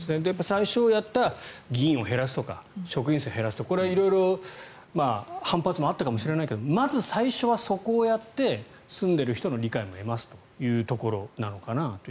最初にやった議員を減らすとか職員数を減らすとかこれは色々反発もあったかもしれないけれどまず最初はそこをやって住んでいる人の理解も得ますというところなのかなと。